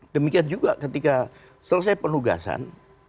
demikian juga ketika selesai penugasan